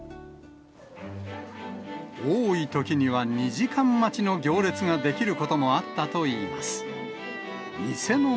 多いときには、２時間待ちの行列が出来ることもあったといいます。